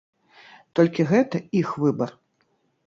Толькі гэта іх выбар.